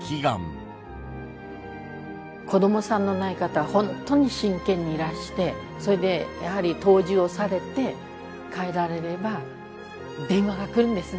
子供さんのない方は本当に真剣にいらしてそれでやはり湯治をされて帰られれば電話が来るんですね